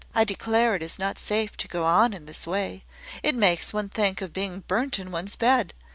I declare it is not safe to go on in this way. It makes one think of being burnt in one's bed."